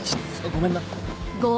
ごめんな。